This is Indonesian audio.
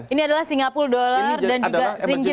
ini adalah singapura dollar dan juga seringkali